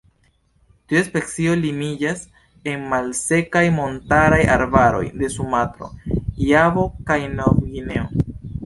Tiu specio limiĝas en malsekaj montaraj arbaroj de Sumatro, Javo kaj Novgvineo.